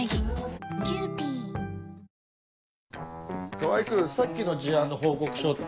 川合君さっきの事案の報告書って。